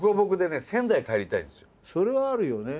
それはあるよね。